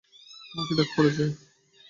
আমার কি ডাক পড়েছে?